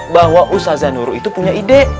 bahwa ustadz zanur itu punya ide